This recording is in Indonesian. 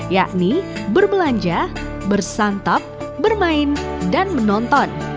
yakni berbelanja bersantap bermain dan menonton